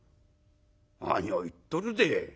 「何を言っとるで。